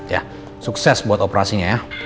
ya sukses buat operasinya ya